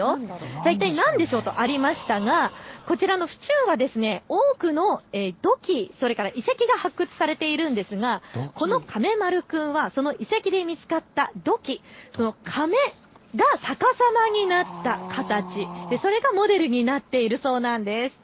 さあ、一体何でしょうとありましたがこちらの府中は多くの土器、それから遺跡が発掘されているんですがこのカメ丸くんはその遺跡で見つかった土器が、かめが逆さまになった形、それがモデルになっているそうなんです。